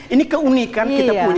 ini keunikan kita punya